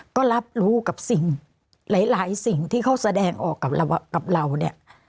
ก็รับรู้กับสิ่งหลายสิ่งที่เขาแสดงออกกับเราเนี่ย